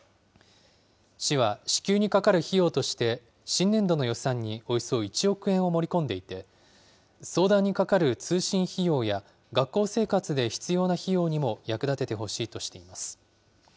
市は支給にかかる費用として新年度の予算におよそ１億円を盛り込んでいて、相談にかかる通信費用や学校生活で必要な費用にも役立ててほしいとしています。